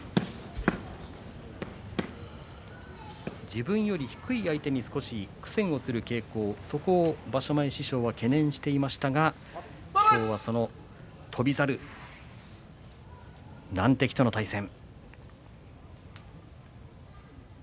自分より低い相手に少し苦戦する傾向、そこを場所前、師匠は懸念していましたが今日はその翔猿、難敵との対戦。